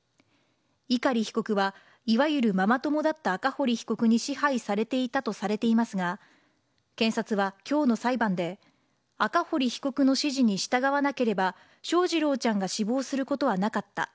碇被告はいわゆるママ友だった赤堀被告に支配されていたとされていますが、検察はきょうの裁判で、赤堀被告の指示に従わなければ、翔士郎ちゃんが死亡することはなかった。